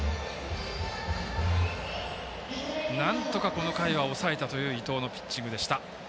なんとかこの回は抑えたという伊藤のピッチングでした。